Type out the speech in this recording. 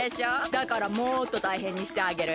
だからもっとたいへんにしてあげる！